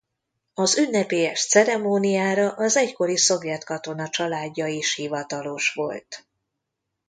Az ünnepélyes ceremóniára az egykori szovjet katona családja is hivatalos volt.